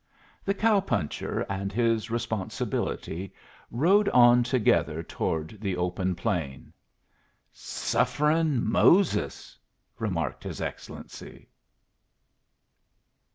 The cow puncher and his Responsibility rode on together toward the open plain. "Sufferin Moses!" remarked his Excellency.